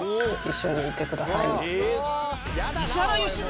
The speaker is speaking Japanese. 石原良純